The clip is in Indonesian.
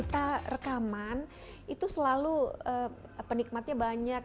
kita rekaman itu selalu penikmatnya banyak